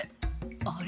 「あれ？